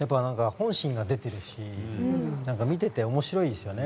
本心が出てるし見ていて面白いですよね。